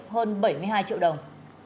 hơn bảy mươi hai triệu đồng